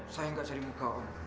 saya nggak cari muka om